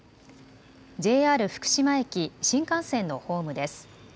ＪＲ福島駅、新幹線のホームです。